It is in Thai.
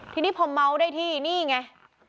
ทีนี้พอเมาได้ที่นี่ไง